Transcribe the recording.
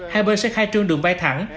hai bên sẽ khai trương đường vai thẳng